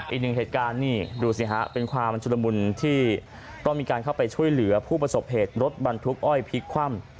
อีกหนึ่งเหตุการณ์นี่ดูสิฮะเป็นความชุลมุนที่ต้องมีการเข้าไปช่วยเหลือผู้ประสบเหตุรถบรรทุกอ้อยพลิกคว่ำ